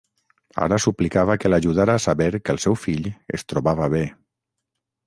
Ara suplicava que l’ajudara a saber que el seu fill es trobava bé.